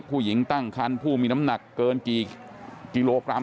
ผู้หญิงตั้งคันผู้มีน้ำหนักเกินกี่กิโลกรัม